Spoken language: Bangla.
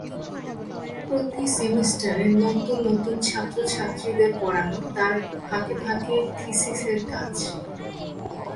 প্রতি সেমিস্টারে নতুন নতুন ছাত্রছাত্রীদের পড়ানো, তার ফাঁকে ফাঁকে থিসিসের কাজ।